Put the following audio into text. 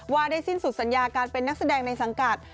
ว่าได้สิ้นสุดสัญญาการเป็นนักแสดงในสังกัด